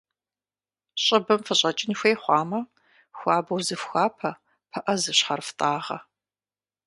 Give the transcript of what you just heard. ЩӀыбым фыщӀэкӀын хуей хъуамэ, хуабэу зыфхуапэ, пыӏэ зыщхьэрыфтӏагъэ.